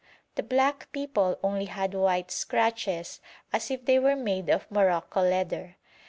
The black people only had white scratches as if they were made of morocco leather.